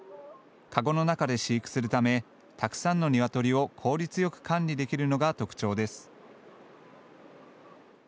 かごの中で飼育するためたくさんの鶏を効率よく管理できるのが特徴です。